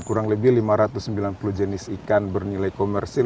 kurang lebih lima ratus sembilan puluh jenis ikan bernilai komersil